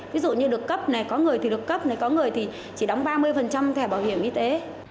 ví dụ như được cấp này có người thì được cấp này có người thì chỉ đóng ba mươi thẻ bảo hiểm y tế